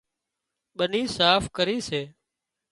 ٻني صاف ڪري سي